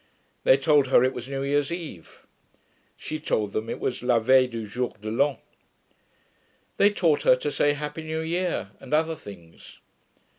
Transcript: They told her it was new year's eve; she told them it was la veille du jour de l'an. They taught her to say 'Happy new year' and other things.